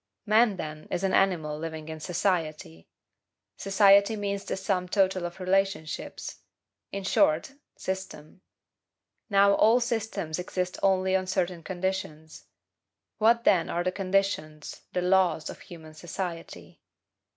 Man, then, is an animal living in society. Society means the sum total of relationships; in short, system. Now, all systems exist only on certain conditions. What, then, are the conditions, the LAWS, of human society?